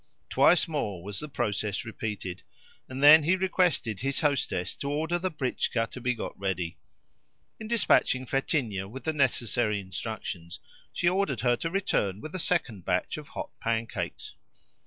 Twice more was the process repeated, and then he requested his hostess to order the britchka to be got ready. In dispatching Fetinia with the necessary instructions, she ordered her to return with a second batch of hot pancakes.